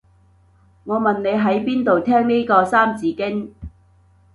我問你喺邊度聽呢個三字經